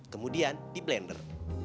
kemudian di blender